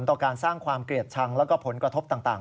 ต่อการสร้างความเกลียดชังแล้วก็ผลกระทบต่าง